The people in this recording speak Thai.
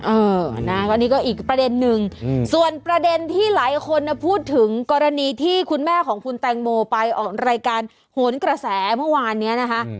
เออนะก็นี่ก็อีกประเด็นนึงส่วนประเด็นที่หลายคนพูดถึงกรณีที่คุณแม่ของคุณแตงโมไปออกรายการโหนกระแสเมื่อวานนี้นะคะ